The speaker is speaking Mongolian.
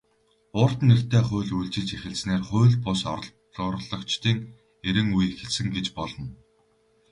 "Урт нэртэй хууль" үйлчилж эхэлснээр хууль бус олборлогчдын эрин үе эхэлсэн гэж болно.